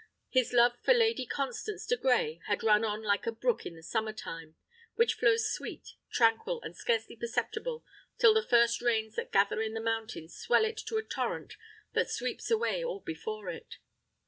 His love for Lady Constance de Grey had run on like a brook in the summer time, which flows sweet, tranquil, and scarcely perceptible, till the first rains that gather in the mountains swell it to a torrent that sweeps away all before it.